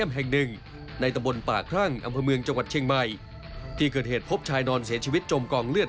เห็นแค่ตอนผ่านมาอะคือแล้วโดนแทงแล้วเลือด